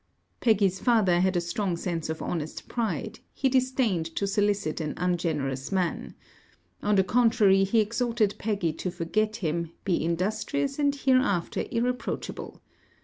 Peggy's father had a strong sense of honest pride; he disdained to solicit an ungenerous man. On the contrary, he exhorted Peggy to forget him, be industrious, and hereafter irreproachable.